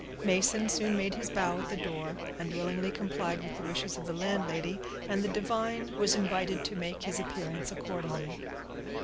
Mason soon made his bow at the door, and willingly complied with the wishes of the landlady; and the divine was invited to make his appearance accordingly.